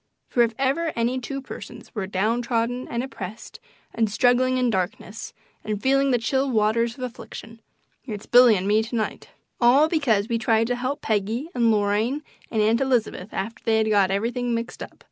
For if ever any two persons were "downtrodden and oppressed" and "struggling in darkness" and "feeling the chill waters of affliction," it's Billy and me to night all because we tried to help Peggy and Lorraine and Aunt Elizabeth after they had got everything mixed up!